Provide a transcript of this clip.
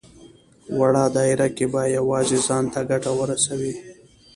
وړه دايره کې به يوازې ځان ته ګټه ورسوي.